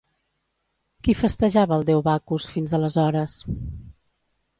Qui festejava el déu Bacus, fins aleshores?